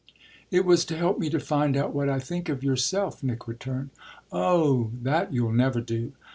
"It was to help me to find out what I think of yourself," Nick returned. "Oh, that you'll never do.